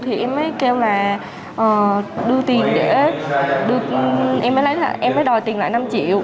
thì em mới kêu là đưa tiền để em mới đòi tiền lại năm triệu